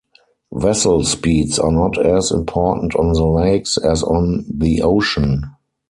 Vessel speeds are not as important on the Lakes as on the ocean.